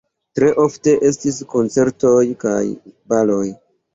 Tre ofte estis koncertoj kaj baloj.